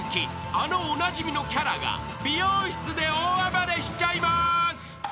［あのおなじみのキャラが美容室で大暴れしちゃいます］